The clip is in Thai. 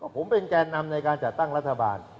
ผมเป็นแกนนำในการจัดตั้งรัฐบาล